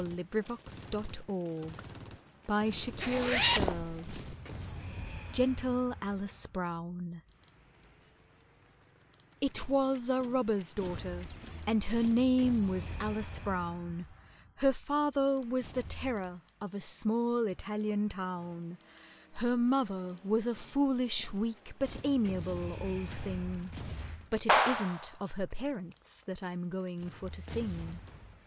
Never you mind! Roll on! [It rolls on. GENTLE ALICE BROWN IT was a robber's daughter, and her name was ALICE BROWN, Her father was the terror of a small Italian town; Her mother was a foolish, weak, but amiable old thing; But it isn't of her parents that I'm going for to sing.